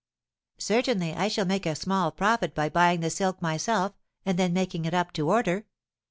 "Certainly, I should make a small profit by buying the silk myself, and then making it up to order.